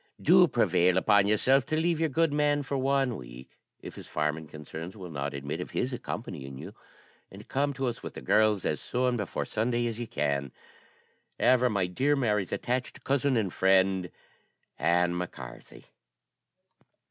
Do prevail upon yourself to leave your good man for one week, if his farming concerns will not admit of his accompanying you; and come to us, with the girls, as soon before Sunday as you can. "Ever my dear Mary's attached cousin and friend, "ANN MAC CARTHY."